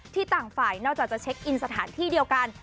ต่างฝ่ายนอกจากจะเช็คอินสถานที่เดียวกัน